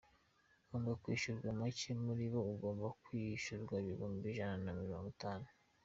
Ugomba kwishyurwa make muri bo agomba kwishyurwa ibihumbi ijana na mirongo itanu.